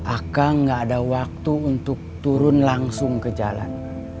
aka gak ada waktu untuk turun langsung ke jalan